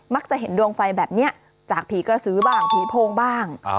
จะเห็นดวงไฟแบบนี้จากผีกระสือบ้างผีโพงบ้าง